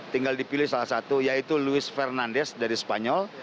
tinggal dipilih salah satu yaitu luis fernandez dari spanyol